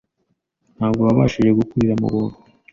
Ntabwo wabashije gukurira mu buntu